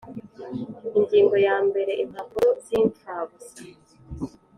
Ingingo ya mbere Impapuro z’impfabusa